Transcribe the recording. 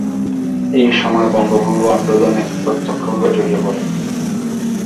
এই সময়ে বঙ্গভঙ্গ আন্দোলনে প্রত্যক্ষভাবে জড়িয়ে পড়েন।